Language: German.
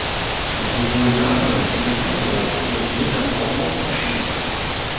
Sowohl Name wie Bezifferung sind je nach Autor verschieden.